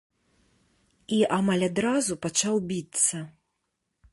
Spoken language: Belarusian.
І амаль адразу пачаў біцца.